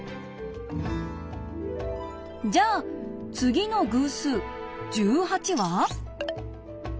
じゃあ次の偶数１８は？